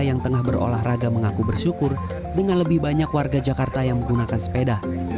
yang tengah berolahraga mengaku bersyukur dengan lebih banyak warga jakarta yang menggunakan sepeda